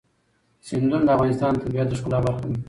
سیندونه د افغانستان د طبیعت د ښکلا برخه ده.